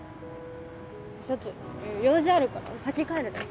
ちょっと用事あるから先帰るね。